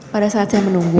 pada saat saya menunggu